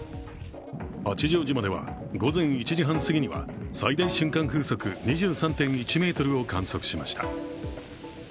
八丈島では午前１時半すぎには最大瞬間風速２３．１メートルを観測しました。